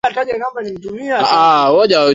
kwa hivyo kinachofanyika ni kubadilisha ile nishati